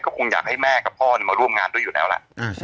คงอยากให้แม่กับพ่อมาร่วมงานด้วยอยู่แล้วล่ะ